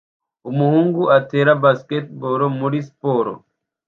Umuhungu atera basketball muri siporo